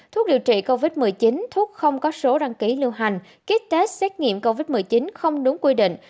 thuốc điều trị covid một mươi chín thuốc không có số đăng ký lưu hành ký test xét nghiệm covid một mươi chín không đúng quy định